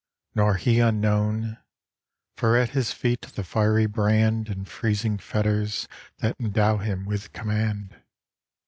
Nor he unknown: for at His feet the fiery brand And freezing fetters that Endow him with command.